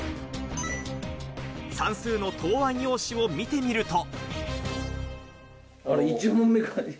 算数の答案用紙を見てみると。